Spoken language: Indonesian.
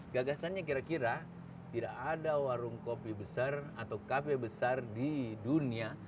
gagasannya kira kira tidak ada warung kopi besar atau kafe besar di dunia